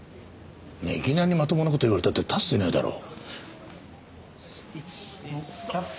いきなりまともな事言われたって立つ瀬ないだろ。